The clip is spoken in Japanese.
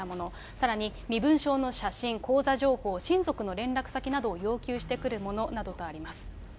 さらに、身分証の写真、口座情報、親族の連絡先などを要求してくるものなどとあります。